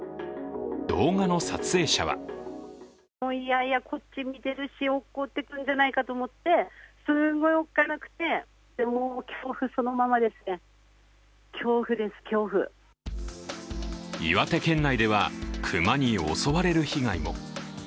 動画の撮影者は岩手県内では、熊に襲われる被害も。